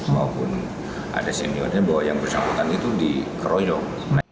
maupun ada seniornya bahwa yang bersangkutan itu dikeroyok